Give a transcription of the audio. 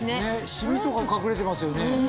シミとか隠れてますよね。